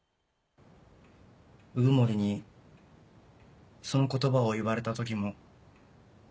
鵜久森にその言葉を言われた時も。